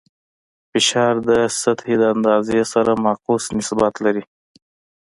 فشار د سطحې د اندازې سره معکوس نسبت لري.